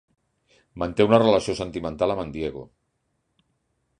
Manté una relació sentimental amb en Diego.